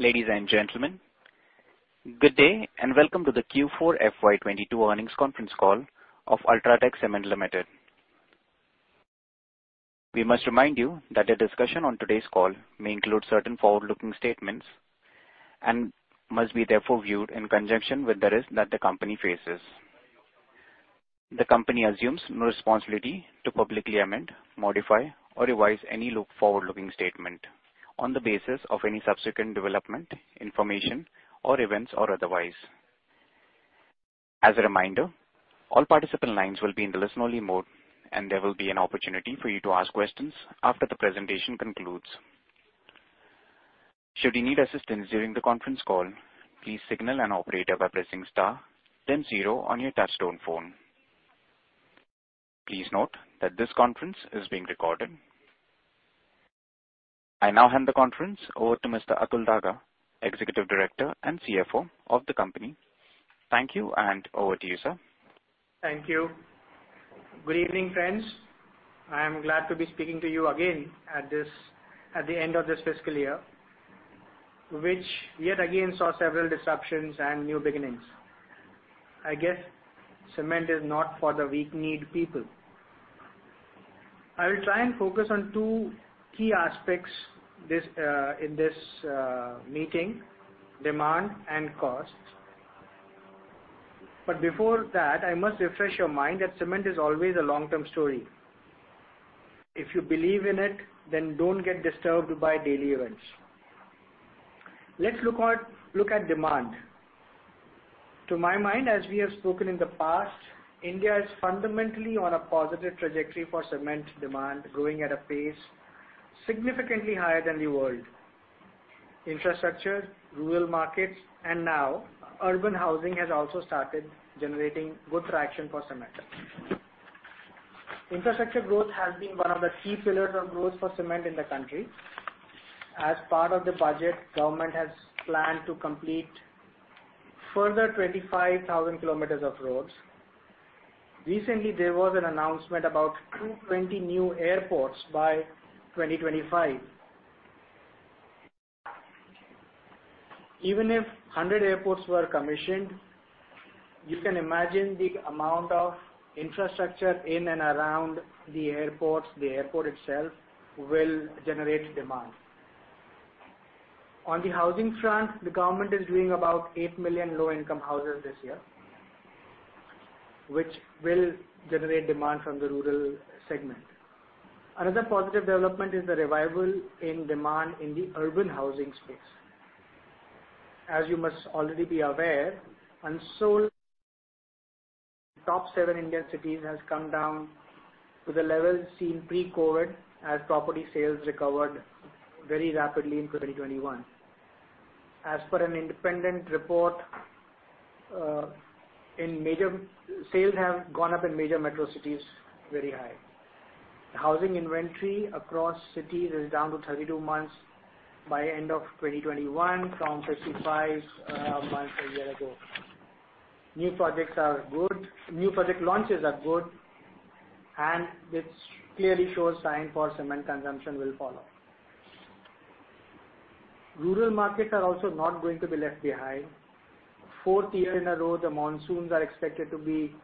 Ladies and gentlemen, good day, and welcome to the Q4 FY22 earnings conference call of UltraTech Cement Limited. We must remind you that the discussion on today's call may include certain forward-looking statements and must be therefore viewed in conjunction with the risk that the company faces. The company assumes no responsibility to publicly amend, modify or revise any forward-looking statement on the basis of any subsequent development, information or events or otherwise. As a reminder, all participant lines will be in the listen-only mode, and there will be an opportunity for you to ask questions after the presentation concludes. Should you need assistance during the conference call, please signal an operator by pressing star then zero on your touchtone phone. Please note that this conference is being recorded. I now hand the conference over to Mr. Atul Daga, Executive Director and CFO of the company. Thank you, and over to you, sir. Thank you. Good evening, friends. I am glad to be speaking to you again at the end of this fiscal year, which yet again saw several disruptions and new beginnings. I guess cement is not for the weak-kneed people. I will try and focus on two key aspects in this meeting, demand and cost. Before that, I must refresh your mind that cement is always a long-term story. If you believe in it, then don't get disturbed by daily events. Let's look at demand. To my mind, as we have spoken in the past, India is fundamentally on a positive trajectory for cement demand, growing at a pace significantly higher than the world. Infrastructure, rural markets, and now urban housing has also started generating good traction for cement. Infrastructure growth has been one of the key pillars of growth for cement in the country. As part of the budget, government has planned to complete further 25,000 kilometers of roads. Recently, there was an announcement about 220 new airports by 2025. Even if 100 airports were commissioned, you can imagine the amount of infrastructure in and around the airports, the airport itself will generate demand. On the housing front, the government is doing about 8 million low-income houses this year, which will generate demand from the rural segment. Another positive development is the revival in demand in the urban housing space. As you must already be aware, unsold top seven Indian cities has come down to the levels seen pre-COVID as property sales recovered very rapidly in 2021. As per an independent report, in major metro cities sales have gone up very high. The housing inventory across cities is down to 32 months by end of 2021 from 55 months a year ago. New projects are good. New project launches are good, and this clearly shows sign for cement consumption will follow. Rural markets are also not going to be left behind. Fourth year in a row, the monsoons are expected to be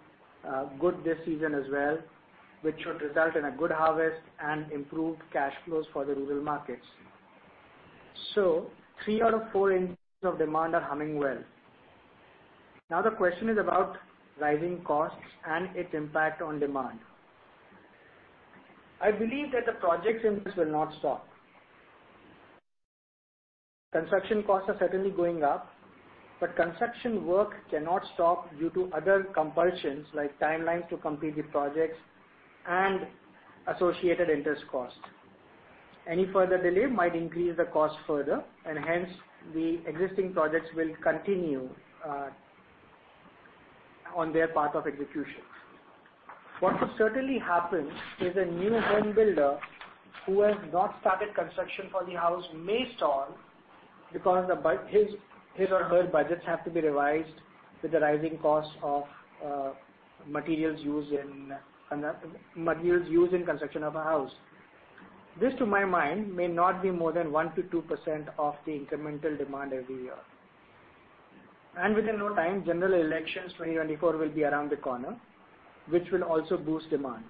good this season as well, which should result in a good harvest and improved cash flows for the rural markets. Three out of four engines of demand are humming well. Now the question is about rising costs and its impact on demand. I believe that the projects in this will not stop. Construction costs are certainly going up, but construction work cannot stop due to other compulsions, like timelines to complete the projects and associated interest costs. Any further delay might increase the cost further, and hence, the existing projects will continue on their path of execution. What could certainly happen is a new home builder who has not started construction for the house may stall because his or her budgets have to be revised with the rising costs of materials used in construction of a house. This, to my mind, may not be more than 1%-2% of the incremental demand every year. Within no time, general elections 2024 will be around the corner, which will also boost demand.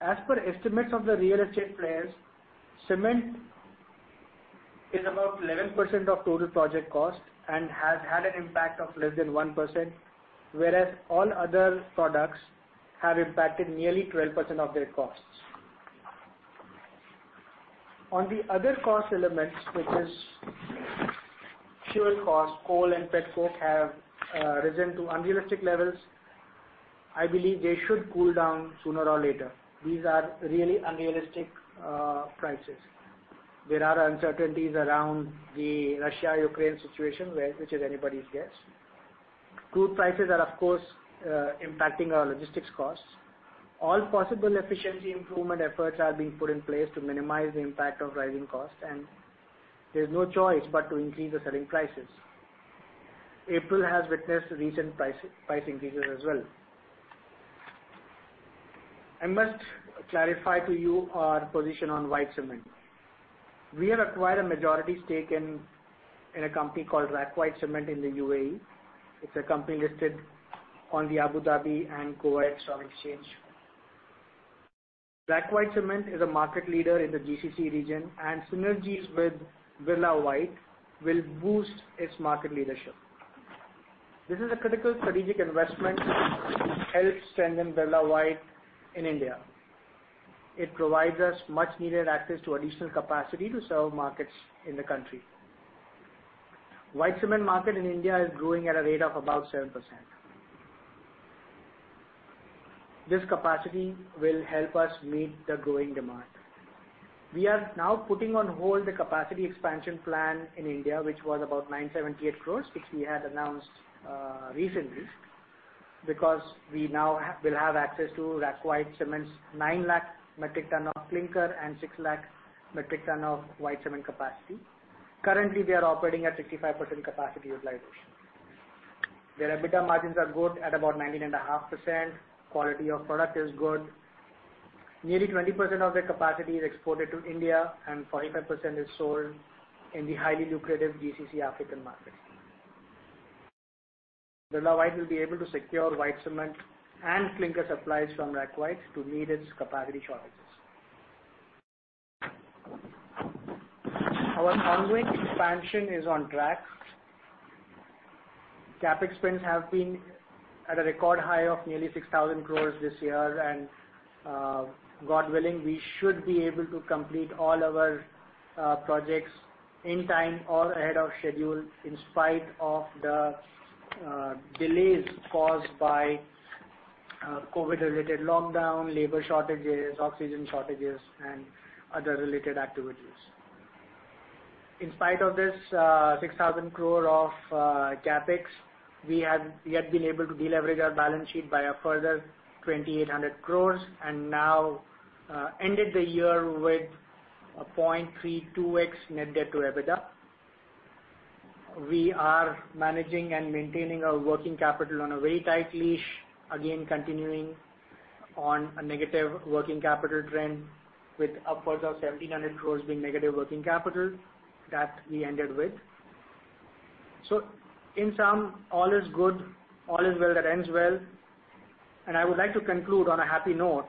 As per estimates of the real estate players, cement is about 11% of total project cost and has had an impact of less than 1%, whereas all other products have impacted nearly 12% of their costs. On the other cost elements, which is fuel costs, coal and petcoke have risen to unrealistic levels. I believe they should cool down sooner or later. These are really unrealistic prices. There are uncertainties around the Russia-Ukraine situation which is anybody's guess. Crude prices are, of course, impacting our logistics costs. All possible efficiency improvement efforts are being put in place to minimize the impact of rising costs, and there's no choice but to increase the selling prices. April has witnessed recent price increases as well. I must clarify to you our position on white cement. We have acquired a majority stake in a company called RAK White Cement in the UAE. It's a company listed on the Abu Dhabi Securities Exchange and Kuwait Stock Exchange. RAK White Cement is a market leader in the GCC region, and synergies with Birla White will boost its market leadership. This is a critical strategic investment to help strengthen Birla White in India. It provides us much needed access to additional capacity to serve markets in the country. White cement market in India is growing at a rate of about 7%. This capacity will help us meet the growing demand. We are now putting on hold the capacity expansion plan in India, which was about 978 crore, which we had announced recently, because we now will have access to RAK White Cement's 9 lakh metric ton of clinker and 6 lakh metric ton of white cement capacity. Currently, they are operating at 65% capacity utilization. Their EBITDA margins are good at about 19.5%. Quality of product is good. Nearly 20% of their capacity is exported to India, and 45% is sold in the highly lucrative GCC African markets. Birla White will be able to secure white cement and clinker supplies from RAK White Cement to meet its capacity shortages. Our ongoing expansion is on track. CapEx spends have been at a record high of nearly 6,000 crore this year. God willing, we should be able to complete all our projects in time or ahead of schedule, in spite of the delays caused by COVID-related lockdown, labor shortages, oxygen shortages, and other related activities. In spite of this, 6,000 crore of CapEx, we have yet been able to deleverage our balance sheet by a further 2,800 crore, and now ended the year with a 0.32x net debt to EBITDA. We are managing and maintaining our working capital on a very tight leash, again continuing on a negative working capital trend with upwards of 1,700 crore being negative working capital that we ended with. In sum, all is good. All is well that ends well. I would like to conclude on a happy note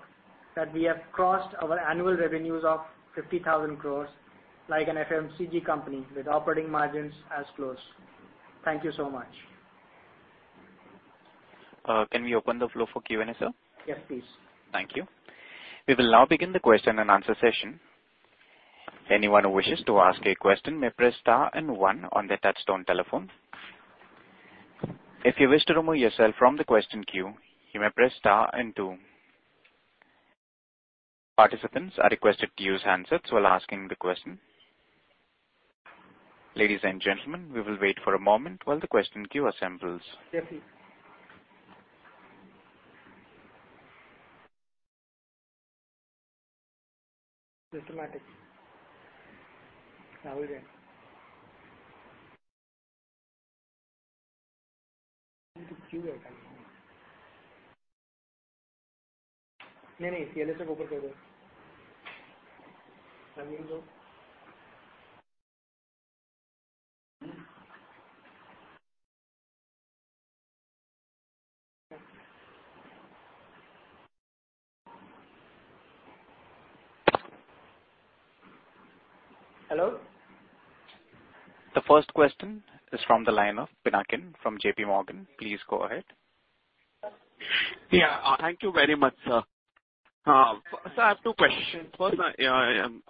that we have crossed our annual revenues of 50,000 crore like an FMCG company with operating margins as close. Thank you so much. Can we open the floor for Q&A, sir? Yes, please. Thank you. We will now begin the question-and-answer session. Anyone who wishes to ask a question may press star and one on their touchtone telephone. If you wish to remove yourself from the question queue, you may press star and two. Participants are requested to use handsets while asking the question. Ladies and gentlemen, we will wait for a moment while the question queue assembles. Yes, please. Systematix. Rahul Jain. In the queue right now. Hello? The first question is from the line of Pinakin from JPMorgan. Please go ahead. Thank you very much, sir. Sir, I have two questions. First,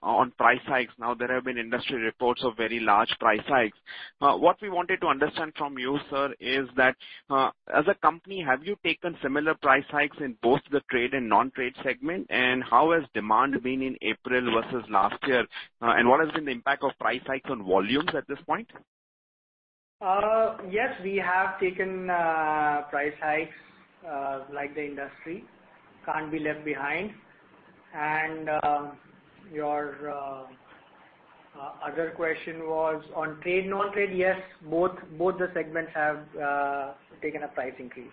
on price hikes. Now, there have been industry reports of very large price hikes. What we wanted to understand from you, sir, is that, as a company, have you taken similar price hikes in both the trade and non-trade segment? How has demand been in April versus last year? What has been the impact of price hikes on volumes at this point? Yes, we have taken price hikes like the industry. Can't be left behind. Your other question was on trade, non-trade. Yes, both the segments have taken a price increase.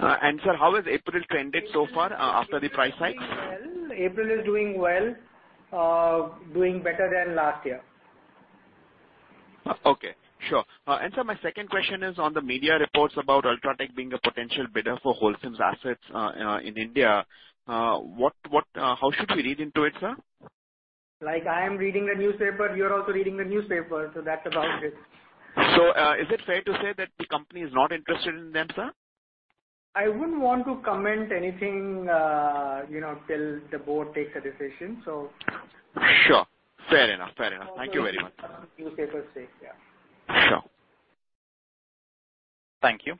Sir, how has April trended so far, after the price hikes? April is doing well. Doing better than last year. Okay. Sure. Sir, my second question is on the media reports about UltraTech being a potential bidder for Holcim's assets in India. How should we read into it, sir? Like I am reading the newspaper, you're also reading the newspaper, so that's about it. Is it fair to say that the company is not interested in them, sir? I wouldn't want to comment anything, you know, till the board takes a decision, so. Sure. Fair enough. Thank you very much. Newspapers say, yeah. Sure. Thank you.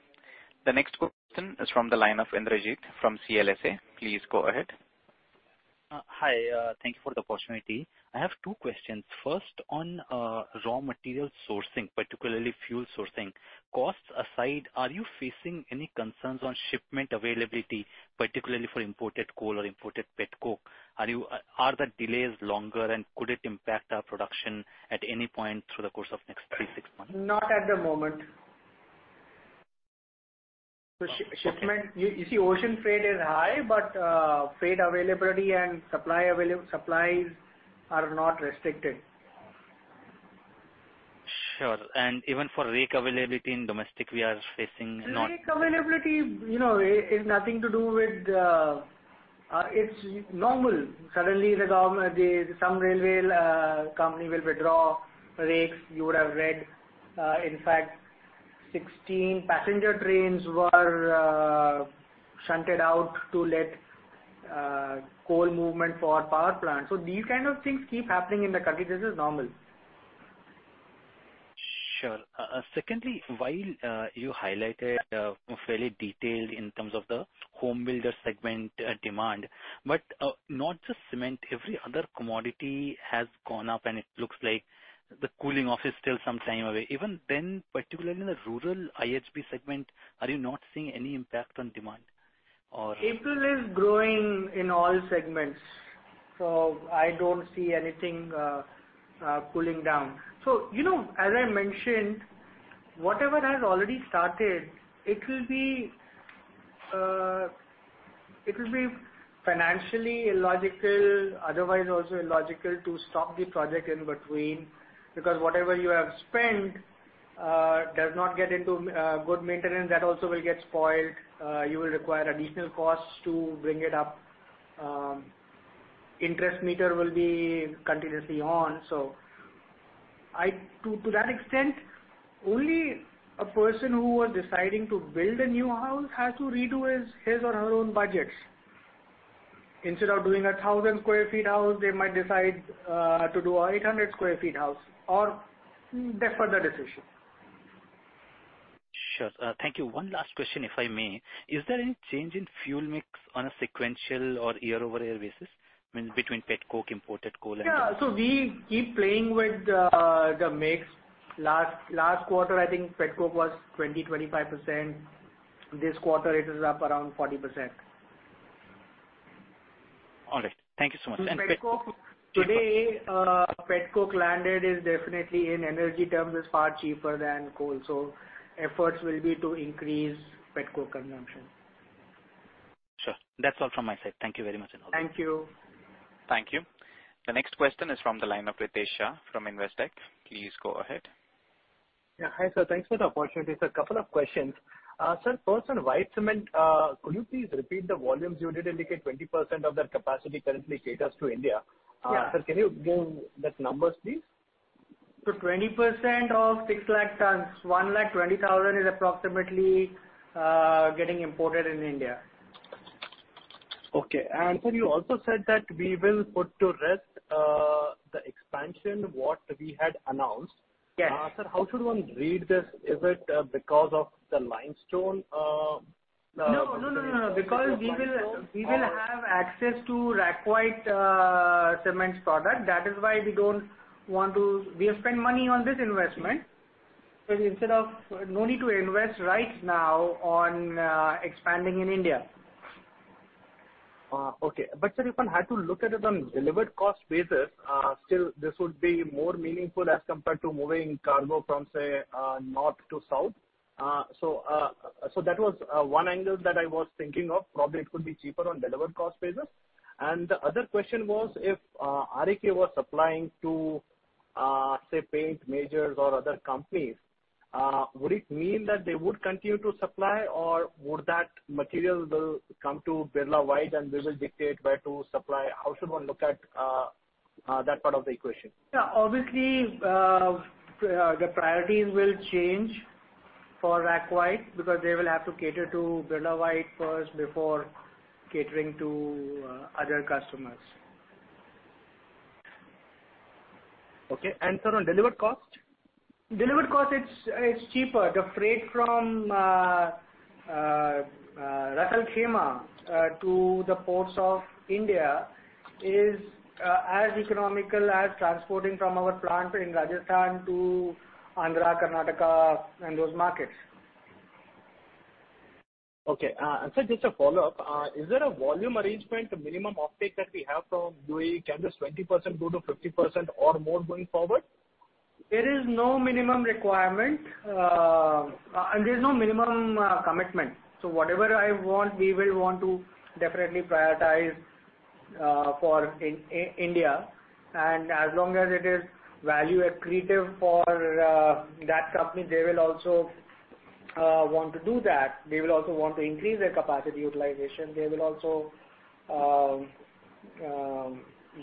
The next question is from the line of Indrajit from CLSA. Please go ahead. Hi. Thank you for the opportunity. I have two questions. First, on raw material sourcing, particularly fuel sourcing. Costs aside, are you facing any concerns on shipment availability, particularly for imported coal or imported petcoke? Are the delays longer, and could it impact production at any point through the course of next 3-6 months? Not at the moment. Shipment, you see, ocean freight is high, but freight availability and supplies are not restricted. Sure. Even for rake availability in domestic, we are facing not- The rake availability, you know, it is nothing to do with, it's normal. Suddenly some railway company will withdraw rakes. You would have read, in fact 16 passenger trains were shunted out to let coal movement for power plants. These kind of things keep happening in the country. This is normal. Sure. Secondly, while you highlighted fairly detailed in terms of the home builder segment demand, but not just cement, every other commodity has gone up, and it looks like the cooling off is still some time away. Even then, particularly in the rural IHB segment, are you not seeing any impact on demand or? April is growing in all segments, so I don't see anything cooling down. You know, as I mentioned, whatever has already started, it will be financially illogical, otherwise also illogical to stop the project in between, because whatever you have spent does not get into good maintenance. That also will get spoiled. You will require additional costs to bring it up. Interest meter will be continuously on. To that extent, only a person who was deciding to build a new house has to redo his or her own budgets. Instead of doing a 1,000 sq ft house, they might decide to do a 800 sq ft house or that's for the decision. Sure. Thank you. One last question, if I may. Is there any change in fuel mix on a sequential or year-over-year basis, I mean, between petcoke, imported coal and- We keep playing with the mix. Last quarter, I think petcoke was 25%. This quarter it is up around 40%. All right. Thank you so much. Petcoke petcoke Today, petcoke landed is definitely in energy terms, is far cheaper than coal. Efforts will be to increase petcoke consumption. Sure. That's all from my side. Thank you very much and all the best. Thank you. Thank you. The next question is from the line of Ritesh Shah from Investec. Please go ahead. Yeah. Hi, sir. Thanks for the opportunity. Sir, couple of questions. Sir, first on white cement, could you please repeat the volumes? You did indicate 20% of that capacity currently caters to India. Yeah. Sir, can you give that numbers, please? 20% of 600,000 tons, 120,000, is approximately getting imported in India. Okay. Sir, you also said that we will put to rest the expansion, what we had announced. Yes. Sir, how should one read this? Is it because of the limestone? No. Because we will have access to RAK White Cement's product. That is why we have spent money on this investment. No need to invest right now on expanding in India. Sir, if one had to look at it on delivered cost basis, still this would be more meaningful as compared to moving cargo from, say, north to south. That was one angle that I was thinking of. Probably it could be cheaper on delivered cost basis. The other question was, if RAK was supplying to, say, paint majors or other companies, would it mean that they would continue to supply or would that material will come to Birla White and we will dictate where to supply? How should one look at that part of the equation? Yeah. Obviously, the priorities will change for RAK White Cement because they will have to cater to Birla White first before catering to other customers. Okay. Sir, on delivered cost? Delivered cost, it's cheaper. The freight from Ras Al Khaimah to the ports of India is as economical as transporting from our plant in Rajasthan to Andhra, Karnataka and those markets. Okay. Sir, just a follow-up. Is there a volume arrangement, a minimum offtake that we have from UAE? Can this 20% go to 50% or more going forward? There is no minimum requirement, and there's no minimum commitment. Whatever I want, we will want to definitely prioritize for India. As long as it is value accretive for that company, they will also want to do that. They will also want to increase their capacity utilization. They will also,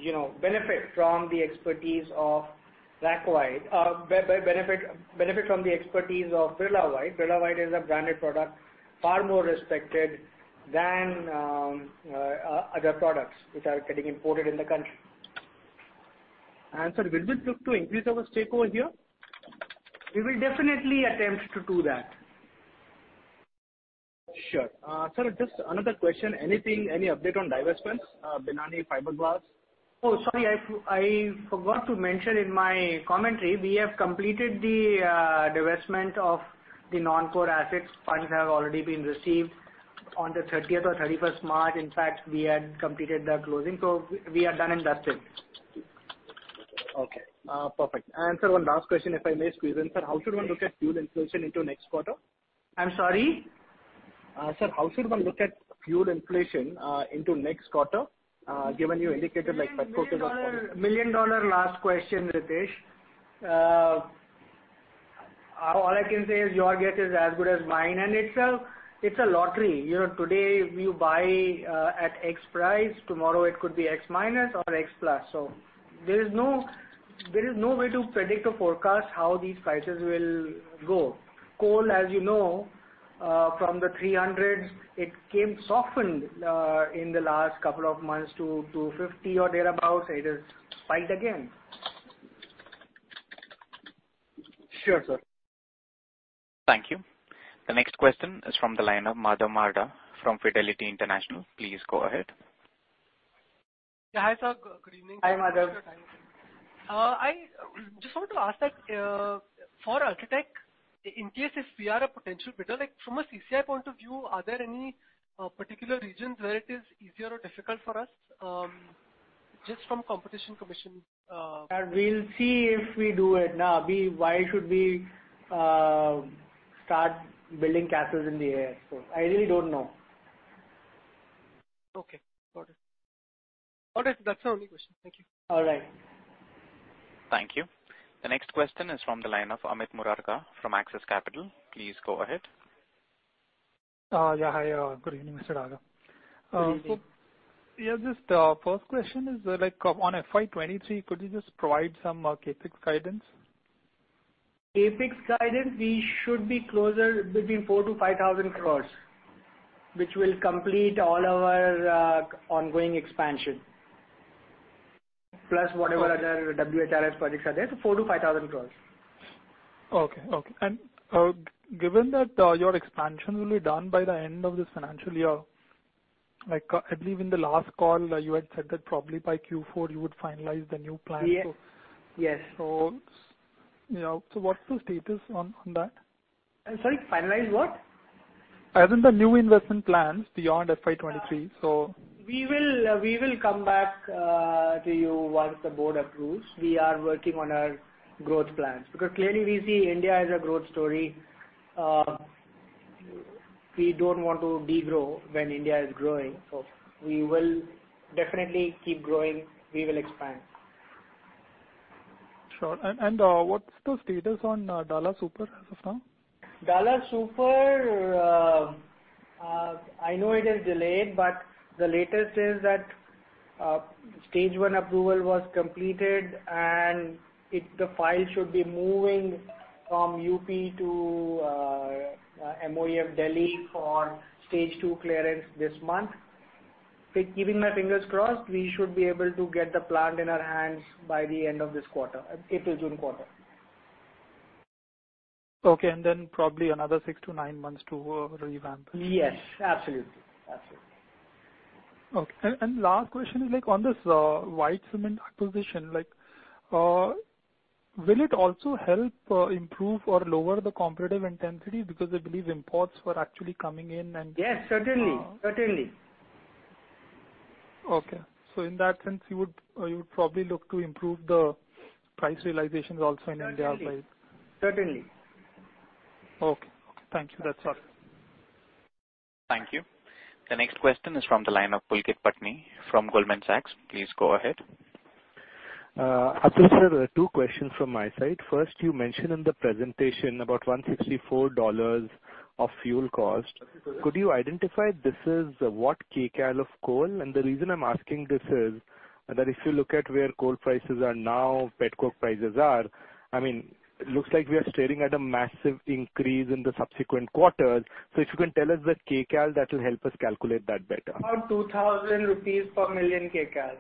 you know, benefit from the expertise of RAK White. Benefit from the expertise of Birla White. Birla White is a branded product, far more respected than other products which are getting imported in the country. Sir, will we look to increase our stake over here? We will definitely attempt to do that. Sure. Sir, just another question. Any update on divestments, 3B Fibreglass? I forgot to mention in my commentary. We have completed the divestment of the non-core assets. Funds have already been received on the 30th or 31st March. In fact, we had completed the closing. We are done and dusted. Okay. Perfect. One last question, if I may squeeze in, sir. How should one look at fuel inflation into next quarter? I'm sorry. Sir, how should one look at fuel inflation into next quarter, given you indicated like petcoke is up? Million-dollar last question, Ritesh. All I can say is your guess is as good as mine, and it's a lottery. You know, today if you buy at X price, tomorrow it could be X minus or X plus. There is no way to predict or forecast how these prices will go. Coal, as you know, from the $300, it has softened in the last couple of months to $250 or thereabout. It has spiked again. Sure, sir. Thank you. The next question is from the line of Madhav Marda from Fidelity International. Please go ahead. Yeah, hi, sir. Good evening. Hi, Madhav. Thank you for your time. I just want to ask that, for UltraTech, in case if we are a potential bidder, like from a CCI point of view, are there any particular regions where it is easier or difficult for us, just from Competition Commission. We'll see if we do it. Why should we start building castles in the air, so I really don't know. Okay, got it. All right, that's our only question. Thank you. All right. Thank you. The next question is from the line of Amit Murarka from Axis Capital. Please go ahead. Yeah. Hi, good evening, Mr. Daga. Good evening. Yeah, just, first question is like on FY23, could you just provide some CapEx guidance? CapEx guidance, we should be closer between 4,000-5,000 crore, which will complete all our ongoing expansion, plus whatever other WHRS projects are there. 4,000-5,000 crore. Okay, given that your expansion will be done by the end of this financial year, like, I believe in the last call you had said that probably by Q4 you would finalize the new plan. Yes. Yes. You know, what's the status on that? Sorry, finalize what? As in the new investment plans beyond FY23, so. We will come back to you once the board approves. We are working on our growth plans because clearly we see India is a growth story. We don't want to de-grow when India is growing, so we will definitely keep growing. We will expand. Sure. What's the status on Dalla Super as of now? Dalla Super, I know it is delayed, but the latest is that stage one approval was completed and it, the file should be moving from UP to MoEF Delhi for stage two clearance this month. Keeping my fingers crossed, we should be able to get the plant in our hands by the end of this quarter. If it's June quarter. Okay, probably another 6-9 months to revamp it. Yes. Absolutely. Last question is like on this white cement acquisition. Like, will it also help improve or lower the competitive intensity because I believe imports were actually coming in and- Yes, certainly. Certainly. Okay. In that sense you would probably look to improve the price realizations also in India by. Certainly. Okay. Thank you. That's all. Thank you. The next question is from the line of Pulkit Patni from Goldman Sachs. Please go ahead. Atul, sir, two questions from my side. First, you mentioned in the presentation about $164 of fuel cost. Could you identify this is what kcal of coal? The reason I'm asking this is that if you look at where coal prices are now, petcoke prices are, I mean, looks like we are staring at a massive increase in the subsequent quarters. If you can tell us that kcal, that will help us calculate that better. About 2,000 rupees per million kcal.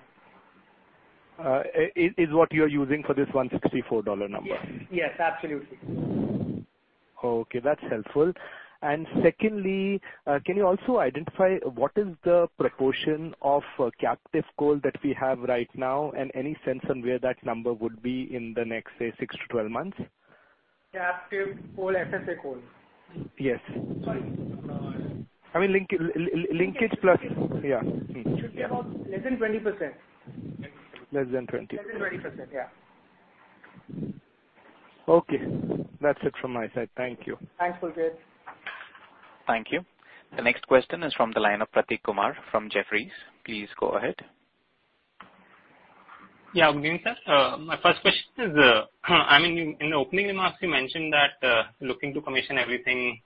Is what you're using for this $164 number? Yes. Yes, absolutely. Okay, that's helpful. Secondly, can you also identify what is the proportion of captive coal that we have right now and any sense on where that number would be in the next, say, 6-12 months? Captive coal, FSA coal? Yes. Sorry. I mean linkage plus, yeah. Mm-hmm. Should be about less than 20%. Less than 20%. Less than 20%. Yeah. Okay. That's it from my side. Thank you. Thanks, Pulkit Patni. Thank you. The next question is from the line of Prateek Kumar from Jefferies. Please go ahead. Yeah. Good evening, sir. My first question is, I mean, in the opening remarks you mentioned that, looking to commission everything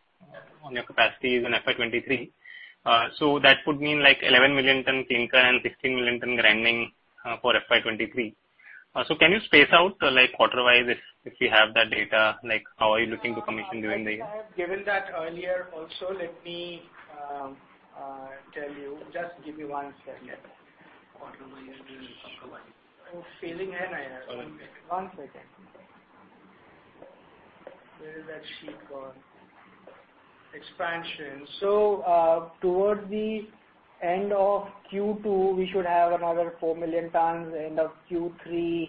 on your capacities in FY23. So that would mean like 11 million ton clinker and 16 million ton grinding, for FY23. So can you space out like quarter-wise if you have that data, like how are you looking to commission during the- I think I have given that earlier also. Let me tell you. Just give me one second. Oh, one second. Where is that sheet gone? Expansion. Towards the end of Q2, we should have another 4 million tons. End of Q3,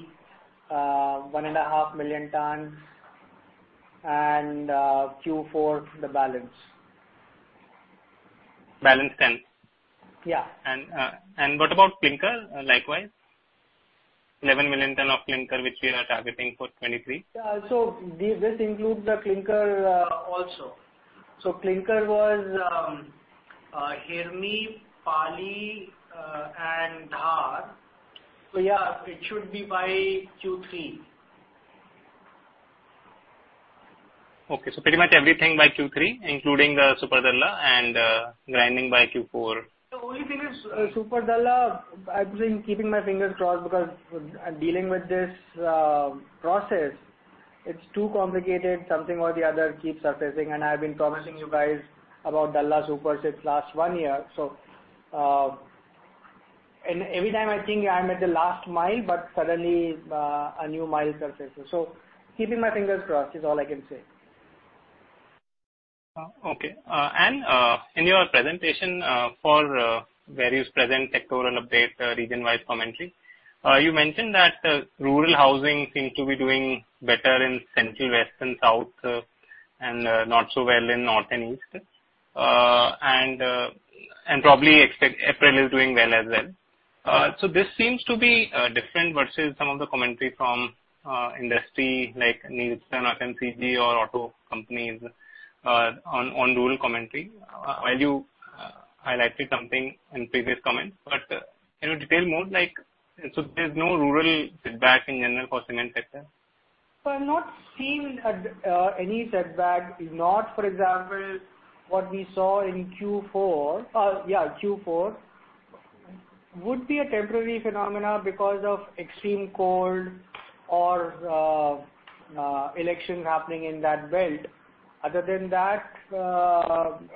1.5 million tons. Q4, the balance. Balance 10. Yeah. What about clinker, likewise? 11 million tons of clinker, which we are targeting for 2023. Yeah. This includes the clinker also. Clinker was Hirmi, Pali, and Dhar. Yeah, it should be by Q3. Okay. Pretty much everything by Q3, including the Dalla Super and grinding by Q4. The only thing is Super Dalla, I've been keeping my fingers crossed because dealing with this process, it's too complicated. Something or the other keeps surfacing. I've been promising you guys about Dalla Super since last one year. Every time I think I'm at the last mile, but suddenly, a new mile surfaces. Keeping my fingers crossed is all I can say. Okay. In your presentation, for various recent sectoral updates, region-wide commentary, you mentioned that rural housing seems to be doing better in central, west and south, and probably exports are doing well as well. This seems to be different versus some of the commentary from industries like Nissan or FMCG or auto companies, on rural commentary. While you highlighted something in previous comments, but can you detail more like so there's no rural setback in general for cement sector? I'm not seeing any setback. If not, for example, what we saw in Q4 would be a temporary phenomena because of extreme cold or elections happening in that belt. Other than that,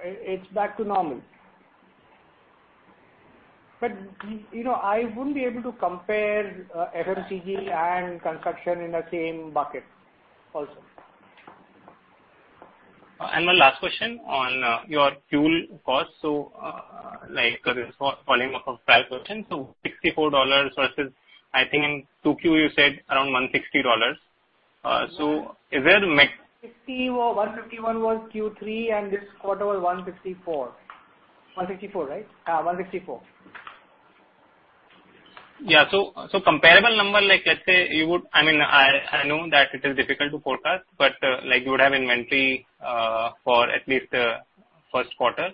it's back to normal. You know, I wouldn't be able to compare FMCG and construction in the same bucket also. My last question on your fuel costs. Like this volume of prior question, $64 versus I think in 2Q you said around $160. So, is there- $60 or $151 was Q3, and this quarter was $154. $164, right? $164. Yeah. Comparable number like let's say you would. I mean, I know that it is difficult to forecast, but like you would have inventory for at least first quarter.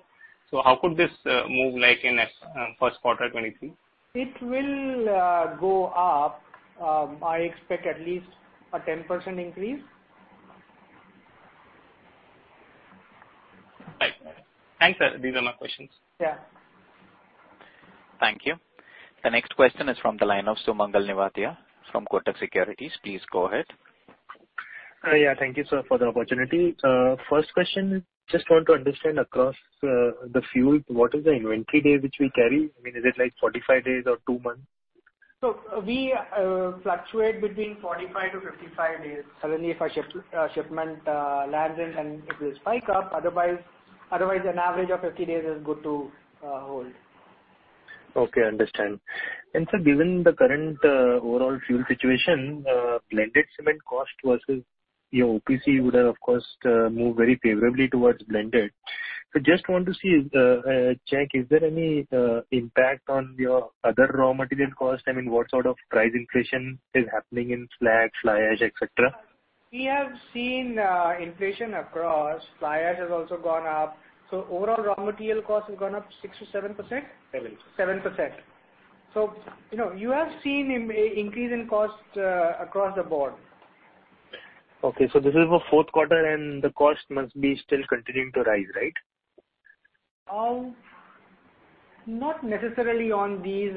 How could this move like in first quarter 2023? It will go up. I expect at least a 10% increase. Right. Thanks, sir. These are my questions. Yeah. Thank you. The next question is from the line of Sumangal Nevatia from Kotak Securities. Please go ahead. Yeah, thank you, sir, for the opportunity. First question, just want to understand across the fuel, what is the inventory day which we carry? I mean, is it like 45 days or two months? We fluctuate between 45-55 days. Suddenly if a shipment lands in, then it will spike up. Otherwise, an average of 50 days is good to hold. Okay, I understand. Sir, given the current overall fuel situation, blended cement cost versus your OPC would have of course moved very favorably towards blended. Just want to check is there any impact on your other raw material cost? I mean, what sort of price inflation is happening in slag, fly ash, et cetera? We have seen inflation across. Fly ash has also gone up. Overall raw material cost has gone up 6%-7%. Seven. 7%. You know, you have seen an increase in cost across the board. Okay. This is for fourth quarter and the cost must be still continuing to rise, right? Not necessarily on these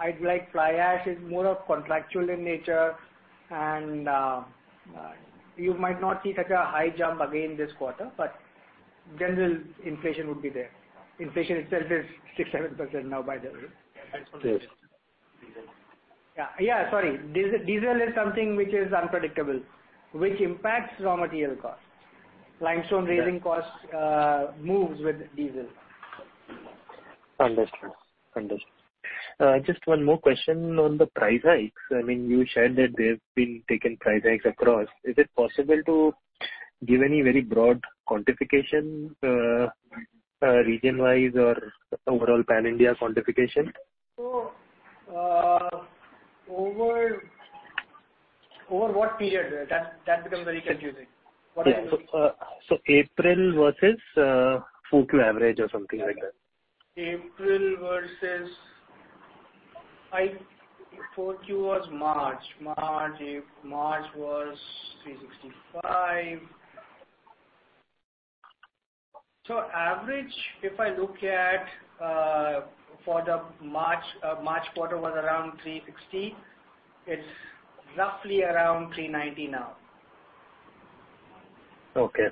items like fly ash is more of contractual in nature. You might not see such a high jump again this quarter, but general inflation would be there. Inflation itself is 6%-7% now, by the way. Yes. Yeah. Sorry. Diesel is something which is unpredictable, which impacts raw material costs. Limestone raising costs moves with diesel. Understood. Just one more question on the price hikes. I mean, you shared that they've been taking price hikes across. Is it possible to give any very broad quantification, region-wise or overall pan-India quantification? Over what period? That becomes very confusing. Yeah. April versus 4Q average or something like that. 4Q was March. March was INR 365. Average, if I look at, for the March quarter was around 360. It's roughly around 390 now. Okay.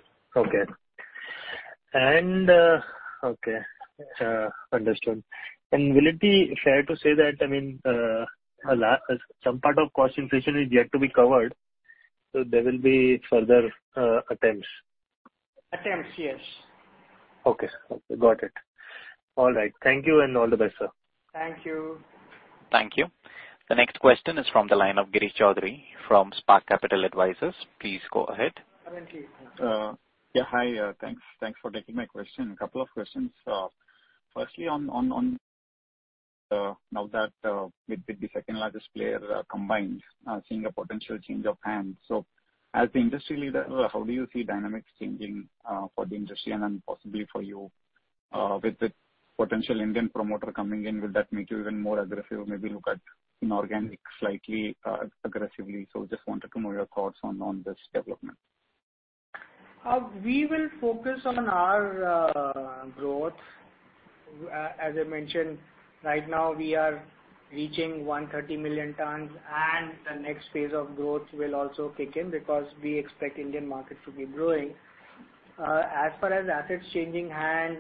Understood. Will it be fair to say that, I mean, some part of cost inflation is yet to be covered, so there will be further attempts? Attempts, yes. Okay. Got it. All right. Thank you and all the best, sir. Thank you. Thank you. The next question is from the line of Girish Choudhary from Spark Capital Advisors. Please go ahead. Thank you. Yeah. Hi, thanks. Thanks for taking my question. A couple of questions. Firstly, on now that with the second-largest player combined seeing a potential change of hands. As the industry leader, how do you see dynamics changing for the industry and then possibly for you with the potential Indian promoter coming in? Will that make you even more aggressive or maybe look at inorganic slightly aggressively? Just wanted to know your thoughts on this development. We will focus on our growth. As I mentioned, right now we are reaching 130 million tons, and the next phase of growth will also kick in because we expect Indian market to be growing. As far as assets changing hands,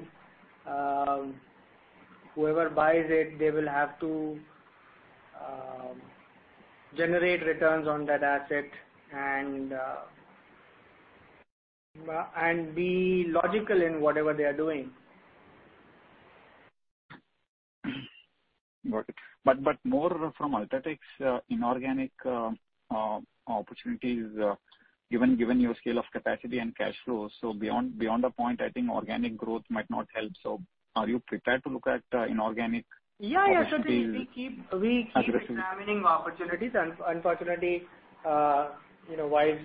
whoever buys it, they will have to generate returns on that asset and be logical in whatever they are doing. Got it. More from UltraTech's inorganic opportunities, given your scale of capacity and cash flows. Beyond a point, I think organic growth might not help. Are you prepared to look at inorganic opportunities? Yeah, yeah. -aggressively? Certainly. We keep examining opportunities. Unfortunately, you know, while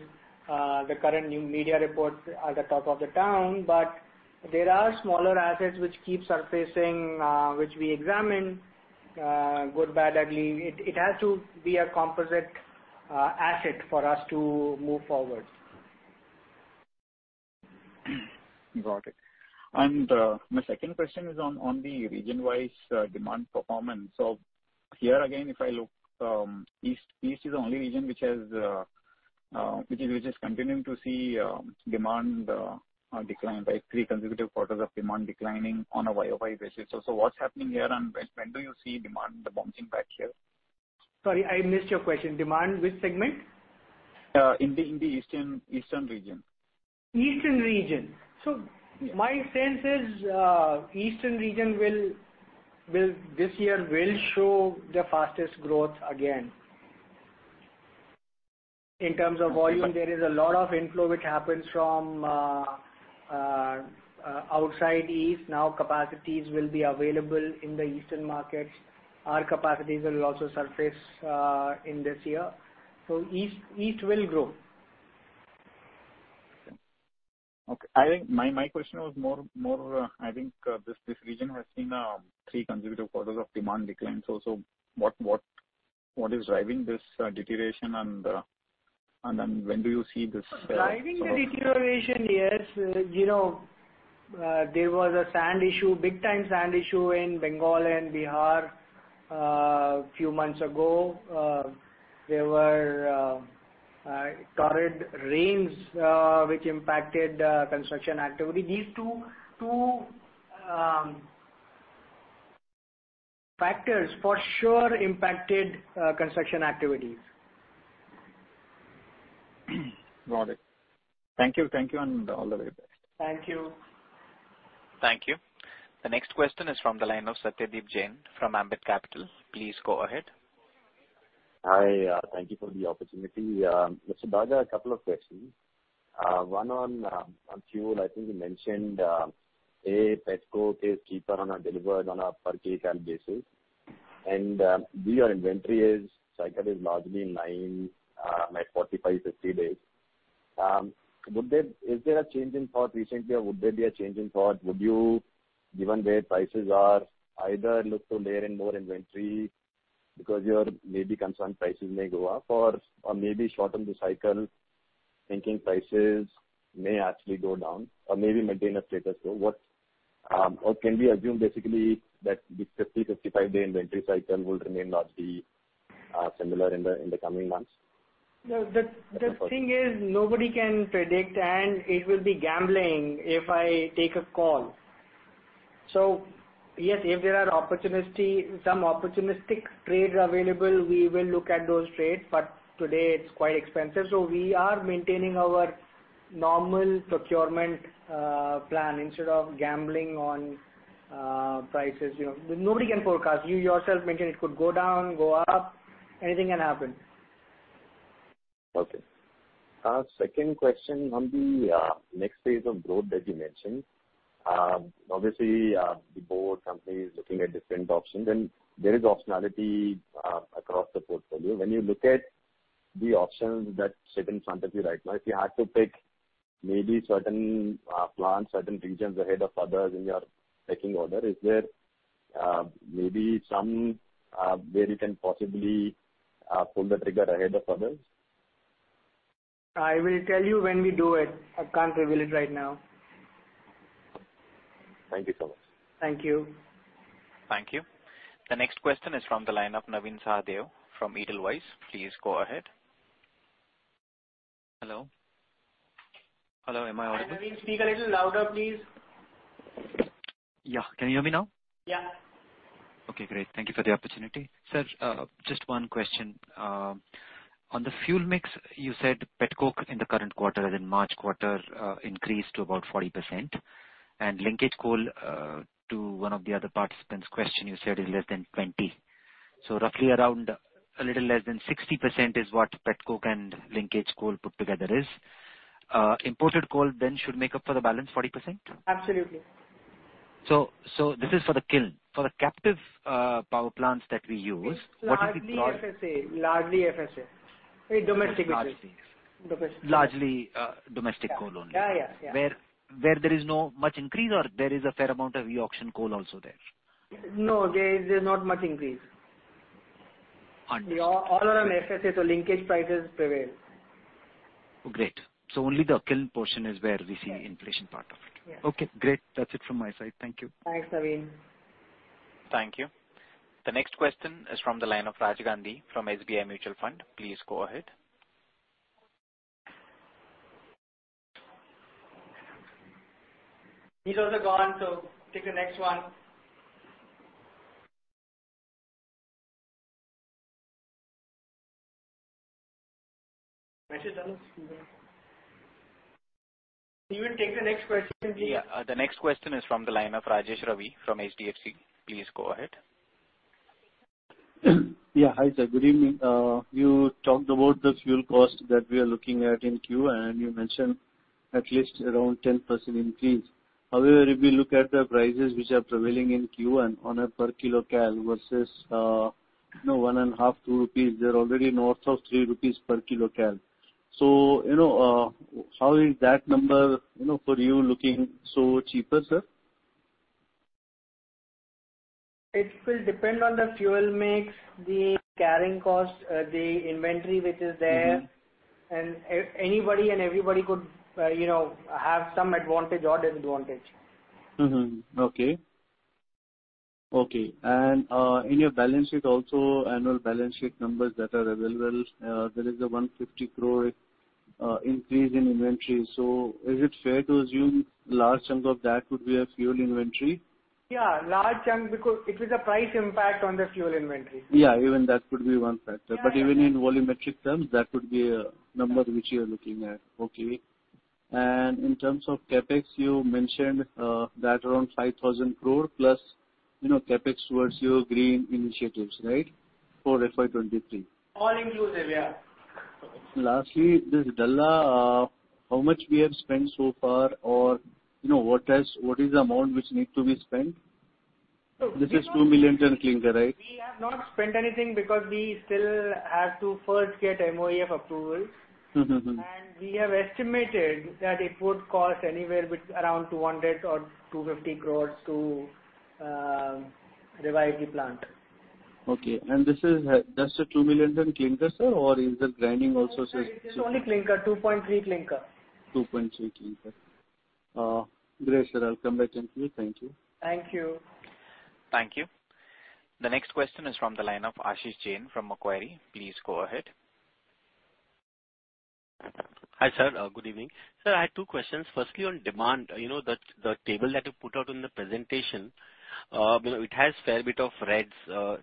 the current news media reports are the talk of the town, but there are smaller assets which keep surfacing, which we examine, good, bad, ugly. It has to be a composite asset for us to move forward. Got it. My second question is on the region-wise demand performance. Here again, if I look, east is the only region which is continuing to see demand decline by three consecutive quarters of demand declining on a YOY basis. What's happening here and when do you see demand bouncing back here? Sorry, I missed your question. Demand which segment? In the eastern region. Eastern region. My sense is, eastern region will this year show the fastest growth again. In terms of volume, there is a lot of inflow which happens from outside east. Now capacities will be available in the eastern markets. Our capacities will also surface in this year. East will grow. Okay. I think my question was more, I think, this region has seen three consecutive quarters of demand decline. What is driving this deterioration and then when do you see this? Driving the deterioration, yes. You know, there was a sand issue, big time sand issue in Bengal and Bihar, few months ago. There were torrential rains, which impacted construction activity. These two factors for sure impacted construction activities. Got it. Thank you. Thank you and all the very best. Thank you. Thank you. The next question is from the line of Satyadeep Jain from Ambit Capital. Please go ahead. Hi. Thank you for the opportunity. Mr. Daga, a couple of questions. One on petcoke, I think you mentioned petcoke is cheaper on a delivered basis on a per kcal basis. Your inventory cycle is largely now like 45, 50 days. Is there a change in thought recently or would there be a change in thought? Would you, given where prices are, either look to layer in more inventory because you're maybe concerned prices may go up or maybe shorten the cycle thinking prices may actually go down or maybe maintain a status quo? Or can we assume basically that the 50, 55 day inventory cycle will remain largely similar in the coming months? No. The thing is nobody can predict, and it will be gambling if I take a call. Yes, if there are opportunity, some opportunistic trades available, we will look at those trades. Today it's quite expensive, so we are maintaining our normal procurement plan instead of gambling on prices. You know, nobody can forecast. You yourself mentioned it could go down, go up, anything can happen. Okay. Second question on the next phase of growth that you mentioned. Obviously, the parent company is looking at different options and there is optionality across the portfolio. When you look at the options that sit in front of you right now, if you had to pick maybe certain plants, certain regions ahead of others in your pecking order, is there maybe some where you can possibly pull the trigger ahead of others? I will tell you when we do it. I can't reveal it right now. Thank you so much. Thank you. Thank you. The next question is from the line of Navin Sahadeo from Edelweiss. Please go ahead. Hello. Hello, am I audible? Navin, speak a little louder, please. Yeah. Can you hear me now? Yeah. Okay, great. Thank you for the opportunity. Sir, just one question. On the fuel mix, you said petcoke in the current quarter, as in March quarter, increased to about 40%. Linkage coal, to one of the other participants' question you said is less than 20. Roughly around a little less than 60% is what petcoke and linkage coal put together is. Imported coal should make up for the balance 40%? Absolutely. This is for the kiln. For the captive power plants that we use, what is the cost- It's largely FSA, domestic basically. Largely FSA. Domestic. Largely, domestic coal only. Yeah. Yeah, yeah. Where there is not much increase or there is a fair amount of e-auction coal also there? No, there's not much increase. Understood. We all are on FSA, so linkage prices prevail. Oh, great. Only the kiln portion is where we see. Yeah. Inflation part of it. Yeah. Okay, great. That's it from my side. Thank you. Thanks, Navin. Thank you. The next question is from the line of Raj Gandhi from SBI Mutual Fund. Please go ahead. He's also gone, so take the next one. Message done. We will take the next question. Yeah. The next question is from the line of Rajesh Ravi from HDFC. Please go ahead. Yeah, hi, sir. Good evening. You talked about the fuel cost that we are looking at in Q, and you mentioned at least around 10% increase. However, if you look at the prices which are prevailing in Q and on a per kcal versus, you know, 1.5-2 rupees, they're already north of 3 rupees per kcal. So, you know, how is that number, you know, for you looking so cheaper, sir? It will depend on the fuel mix, the carrying cost, the inventory which is there. Mm-hmm. Anybody and everybody could, you know, have some advantage or disadvantage. In your balance sheet also, annual balance sheet numbers that are available, there is a 150 crore increase in inventory. Is it fair to assume large chunk of that would be a fuel inventory? Yeah, large chunk because it is a price impact on the fuel inventory. Yeah, even that could be one factor. Even in volumetric terms, that could be a number which you're looking at. Okay. In terms of CapEx, you mentioned that around 5,000 crore plus, you know, CapEx towards your green initiatives, right? For FY23. All inclusive, yeah. Lastly, this Dalla, how much we have spent so far or, you know, what is the amount which needs to be spent? This is 2 million tons clinker, right? We have not spent anything because we still have to first get MoEF approval. Mm-hmm. We have estimated that it would cost anywhere with around 200 crore or 250 crore to revive the plant. Okay. This is, that's the 2 million ton clinker, sir, or is the grinding also, sir? No, sir. It is only clinker, 2.3 clinker. 2.3 clinker. Great, sir. I'll come back to you. Thank you. Thank you. Thank you. The next question is from the line of Ashish Jain from Macquarie. Please go ahead. Hi, sir. Good evening. Sir, I have two questions. Firstly, on demand, you know the table that you put out in the presentation, you know, it has fair bit of reds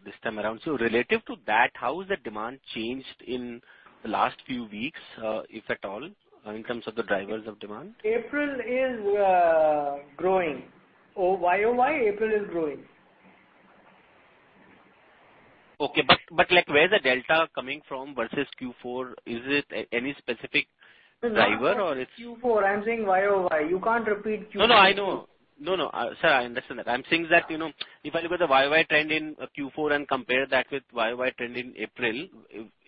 this time around. Relative to that, how has the demand changed in the last few weeks, if at all, in terms of the drivers of demand? April is growing YoY. Okay. Like, where's the delta coming from versus Q4? Is it any specific driver? No, not Q4. I'm saying YOY. You can't repeat Q4. No, no, I know. Sir, I understand that. I'm saying that, you know, if I look at the YOY trend in Q4 and compare that with YOY trend in April,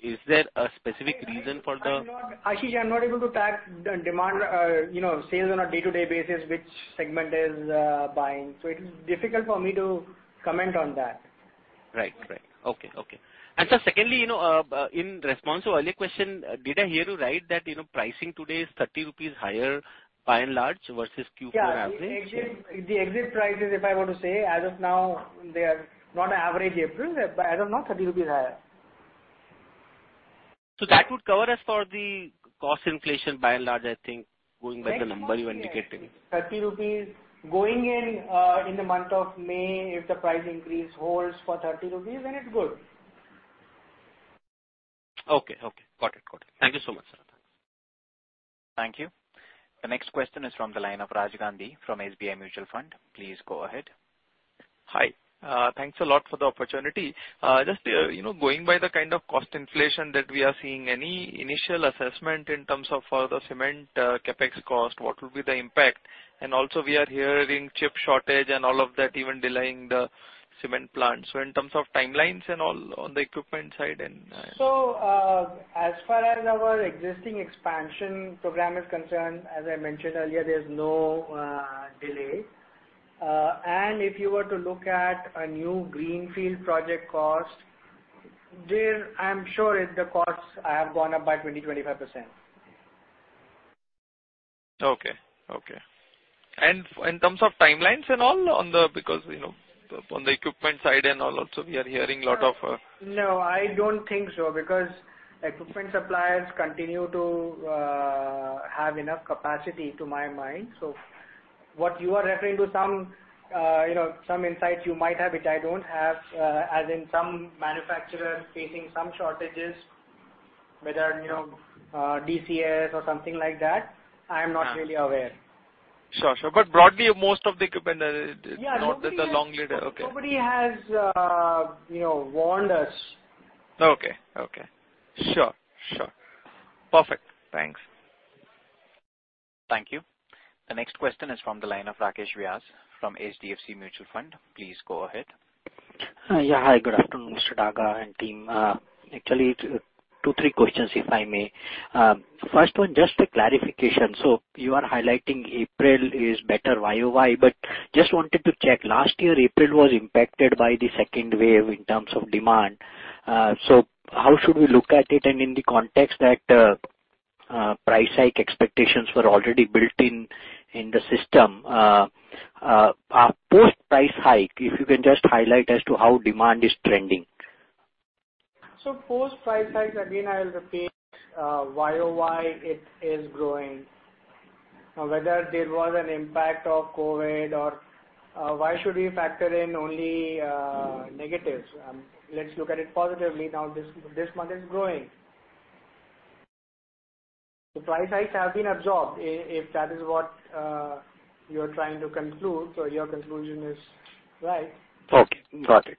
is there a specific reason for the- Ashish, I'm not able to track the demand, you know, sales on a day-to-day basis which segment is buying, so it is difficult for me to comment on that. Right. Okay. Sir, secondly, you know, in response to earlier question, did I hear you right that, you know, pricing today is 30 rupees higher by and large versus Q4 average? Yeah. The exit price is, if I want to say, as of now they are not average April, but I don't know, 30 rupees higher. That would cover us for the- Cost inflation by and large, I think, going by the number you indicated. 30 rupees going in the month of May, if the price increase holds for 30 rupees, then it's good. Okay. Got it. Thank you so much, sir. Thank you. The next question is from the line of Raj Gandhi from SBI Mutual Fund. Please go ahead. Hi. Thanks a lot for the opportunity. Just, you know, going by the kind of cost inflation that we are seeing, any initial assessment in terms of the cement CapEx cost? What will be the impact? We are hearing chip shortage and all of that even delaying the cement plants. In terms of timelines and all on the equipment side and As far as our existing expansion program is concerned, as I mentioned earlier, there's no delay. If you were to look at a new greenfield project cost, there I'm sure it's the costs have gone up by 20%-25%. Okay. In terms of timelines and all, because, you know, on the equipment side and all also we are hearing a lot of No, I don't think so, because equipment suppliers continue to have enough capacity to my mind. What you are referring to some, you know, some insights you might have, which I don't have, as in some manufacturers facing some shortages, whether, you know, DCS or something like that, I am not really aware. Sure, sure. Broadly, most of the equipment is. Yeah. Not with a long lead. Okay. Nobody has, you know, warned us. Okay. Sure. Perfect. Thanks. Thank you. The next question is from the line of Rakesh Vyas from HDFC Mutual Fund. Please go ahead. Yeah. Hi. Good afternoon, Mr. Daga and team. Actually two, three questions, if I may. First one, just a clarification. You are highlighting April is better YOY, but just wanted to check. Last year, April was impacted by the second wave in terms of demand. How should we look at it? In the context that price hike expectations were already built in the system, post price hike, if you can just highlight as to how demand is trending. Post price hike, again, I'll repeat, YOY it is growing. Now, whether there was an impact of COVID or, why should we factor in only, negatives? Let's look at it positively. Now, this month is growing. The price hikes have been absorbed, if that is what you're trying to conclude. Your conclusion is right. Okay. Got it.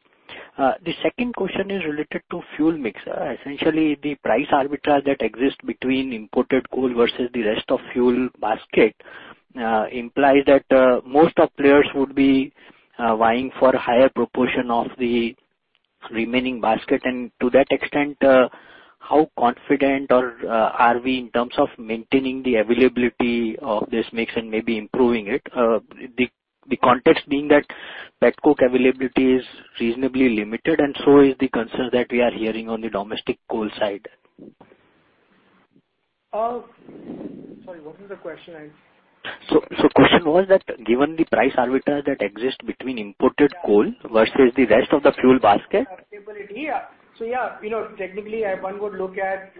The second question is related to fuel mix. Essentially, the price arbitrage that exists between imported coal versus the rest of fuel basket, implies that, most of players would be, vying for a higher proportion of the remaining basket. To that extent, how confident or are we in terms of maintaining the availability of this mix and maybe improving it? The context being that petcoke availability is reasonably limited, and so is the concern that we are hearing on the domestic coal side. Sorry, what was the question? The question was that given the price arbitrage that exists between imported coal versus the rest of the fuel basket. Stability. Yeah. Yeah, you know, technically one would look at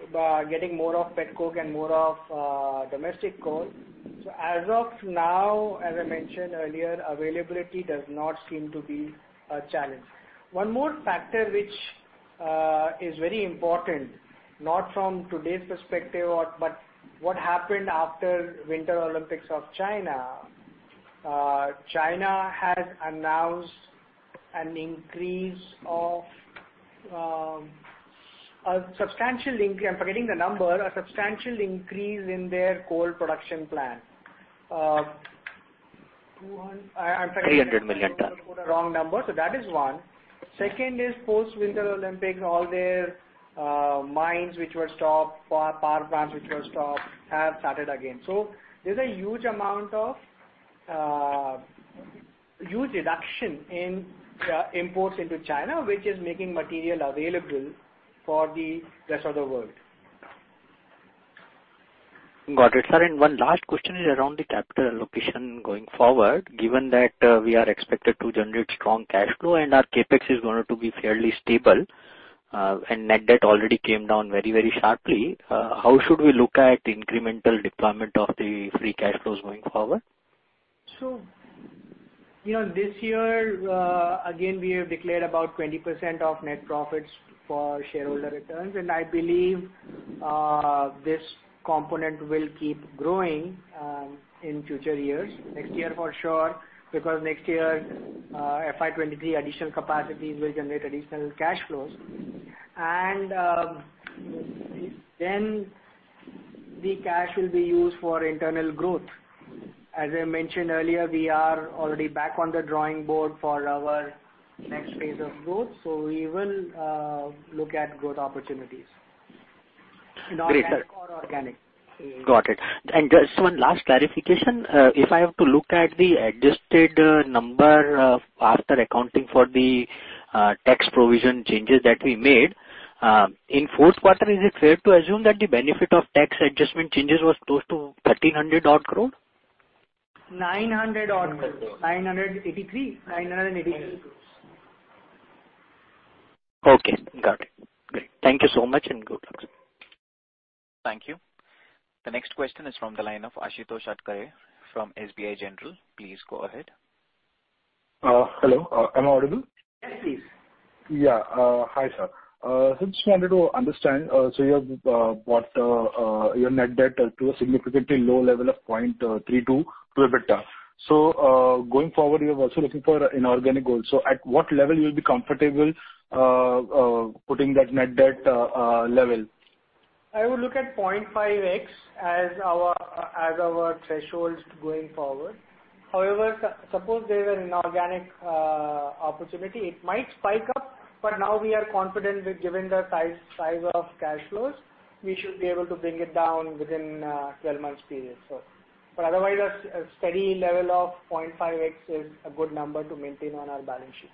getting more of petcoke and more of domestic coal. As of now, as I mentioned earlier, availability does not seem to be a challenge. One more factor which is very important, not from today's perspective but what happened after Winter Olympics of China. China has announced a substantial increase in their coal production plan. 300 million tons. I would quote a wrong number. That is one. Second is post Winter Olympics, all their mines which were stopped, power plants which were stopped, have started again. There's a huge amount of huge reduction in imports into China, which is making material available for the rest of the world. Got it. Sir, one last question is around the capital allocation going forward. Given that, we are expected to generate strong cash flow and our CapEx is going to be fairly stable, and net debt already came down very, very sharply, how should we look at incremental deployment of the free cash flows going forward? You know, this year, again, we have declared about 20% of net profits for shareholder returns. I believe this component will keep growing in future years. Next year for sure, because next year, FY23 additional capacities will generate additional cash flows. Then the cash will be used for internal growth. As I mentioned earlier, we are already back on the drawing board for our next phase of growth, so we will look at growth opportunities. Great. Inorganic or organic. Got it. Just one last clarification. If I have to look at the adjusted number, after accounting for the tax provision changes that we made, in fourth quarter, is it fair to assume that the benefit of tax adjustment changes was close to 1,300 odd crore? 900 odd crore. 983. Okay. Got it. Great. Thank you so much and good luck. Thank you. The next question is from the line of Ashutosh Adsare from SBI General. Please go ahead. Hello. Am I audible? Yes, please. Hi, sir. Just wanted to understand. You have brought your net debt to a significantly low level of 0.32 to EBITDA. Going forward, you are also looking for inorganic growth. At what level you'll be comfortable putting that net debt level? I would look at 0.5x as our threshold going forward. However, suppose there's an inorganic opportunity, it might spike up. Now we are confident with given the size of cash flows, we should be able to bring it down within 12 months period. Otherwise, a steady level of 0.5x is a good number to maintain on our balance sheet.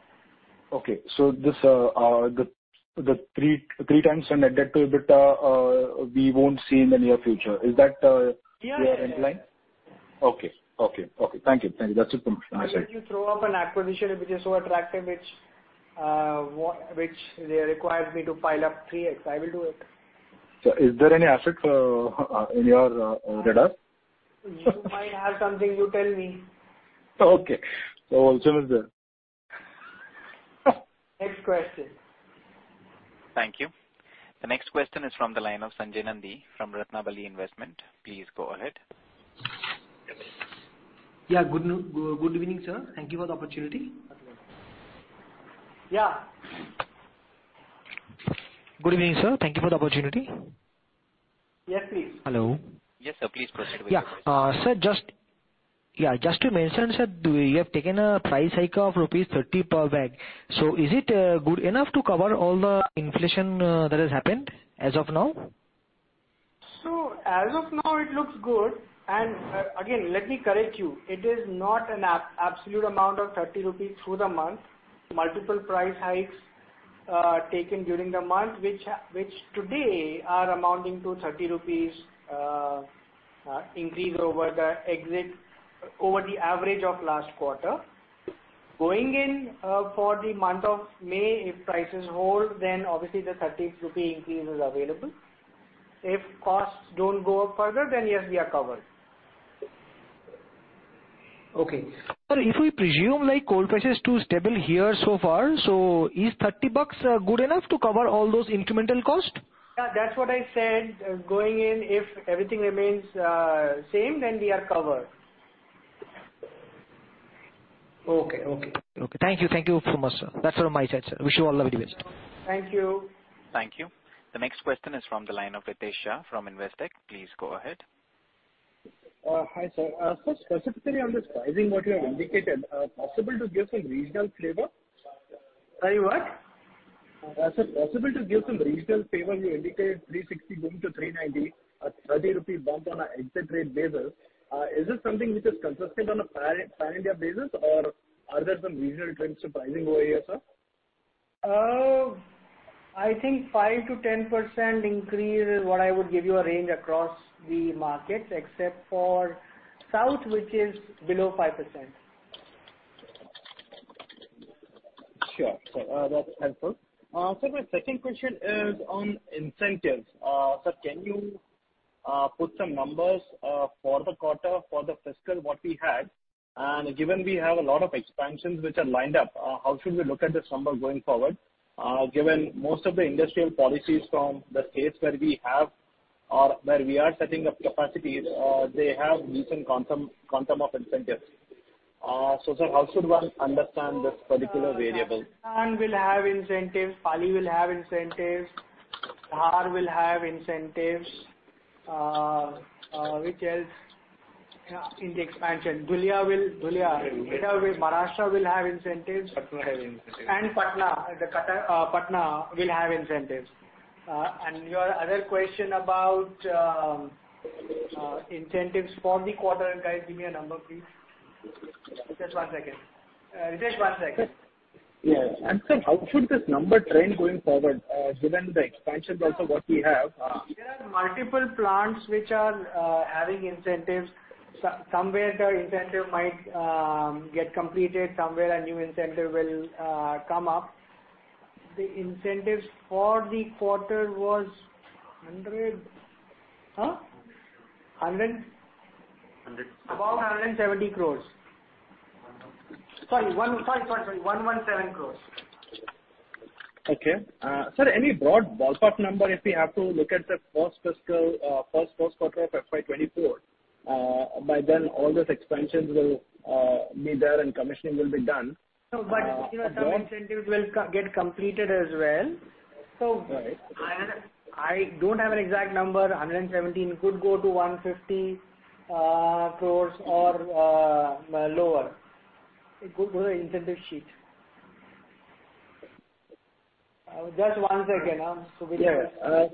Okay. This, the three times on net debt to EBITDA, we won't see in the near future. Is that? Yeah, yeah. Your end line? Okay. Thank you. That's it from my side. If you throw up an acquisition which is so attractive, which requires me to pile up 3x, I will do it. Is there any asset in your radar? You might have something, you tell me. Okay. UltraTech then. Next question. Thank you. The next question is from the line of Sanjay Nandi from Ratnabali Investment. Please go ahead. Yeah. Good evening, sir. Thank you for the opportunity. Yeah. Good evening, sir. Thank you for the opportunity. Yes, please. Hello? Yes, sir. Please proceed with your question. Yeah, sir, just to mention, sir, do you have taken a price hike of rupees 30 per bag? Is it good enough to cover all the inflation that has happened as of now? As of now, it looks good. Again, let me correct you. It is not an absolute amount of 30 rupees through the month. Multiple price hikes taken during the month, which today are amounting to 30 rupees increase over the average of last quarter. Going in, for the month of May, if prices hold, then obviously the 30 rupee increase is available. If costs don't go up further, then yes, we are covered. Sir, if we presume like coal prices are stable here so far, so is INR 30 good enough to cover all those incremental cost? Yeah, that's what I said. Going in, if everything remains same, then we are covered. Okay. Thank you. Thank you very much, sir. That's all from my side, sir. Wish you all the very best. Thank you. Thank you. The next question is from the line of Ritesh Shah from Investec. Please go ahead. Hi, sir. Specifically on this pricing what you have indicated, possible to give some regional flavor? Sorry, what? Sir, possible to give some regional flavor. You indicated 360 going to 390, a 30 rupee bump on an exit rate basis. Is this something which is consistent on a pan-India basis or are there some regional trends surprising over here, sir? I think 5%-10% increase is what I would give you a range across the markets, except for South, which is below 5%. Sure. That's helpful. Sir, my second question is on incentives. Sir, can you put some numbers for the quarter for the fiscal what we had? Given we have a lot of expansions which are lined up, how should we look at this number going forward? Given most of the industrial policies from the states where we have or where we are setting up capacities, they have decent quantum of incentives. Sir, how should one understand this particular variable? Will have incentives. Pali will have incentives. Dhar will have incentives. Which else in the expansion? Dhule will. Dhule. Maharashtra will have incentives. Patna will have incentives. Patna will have incentives. Your other question about incentives for the quarter. Guys, give me a number, please. Just one second. Yeah. Sir, how should this number trend going forward, given the expansions also what we have? There are multiple plants which are having incentives. Somewhere the incentive might get completed, somewhere a new incentive will come up. The incentives for the quarter was 100. Hundred. Hundred. Hundred. About 170 crores. Sorry, 117 crores. Sir, any broad ballpark number, if we have to look at the post-fiscal first post-quarter of FY24, by then all those expansions will be there and commissioning will be done. No, you know, some incentives will get completed as well. All right. I don't have an exact number. 117 crore could go to 150 crore or lower. It could go to the incentive sheet. Just one second.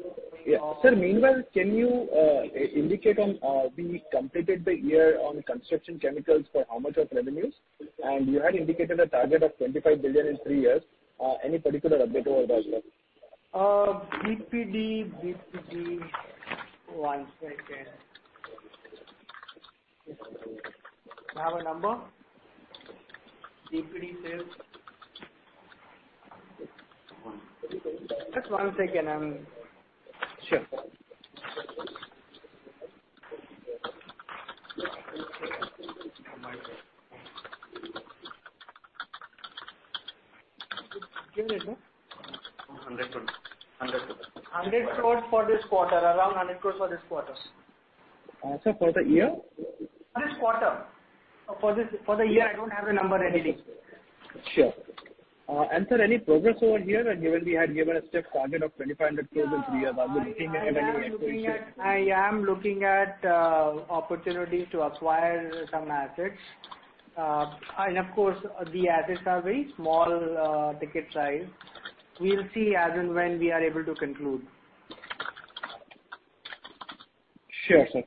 Sir, meanwhile, can you indicate on we completed the year on construction chemicals for how much of revenues? You had indicated a target of 25 billion in three years. Any particular update over there, sir? BPD, one second. Can I have a number? BPD sales. Just one second. Sure. Give me a second. A hundred crores. Hundred crores. 100 crores for this quarter. Around 100 crores for this quarter. Sir, for the year? For this quarter. For this, for the year, I don't have the number ready. Sure. Sir, any progress over here? Given we had given a strict target of 2,500 crore in three years. Yeah. -are we looking at any way- I am looking at opportunities to acquire some assets. Of course, the assets are very small ticket size. We'll see as and when we are able to conclude. Sure, sir.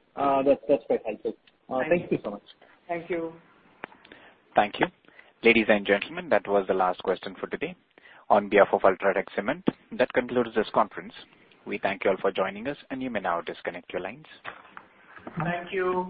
That's quite helpful. Thank you. Thank you so much. Thank you. Thank you. Ladies and gentlemen, that was the last question for today. On behalf of UltraTech Cement, that concludes this conference. We thank you all for joining us, and you may now disconnect your lines. Thank you.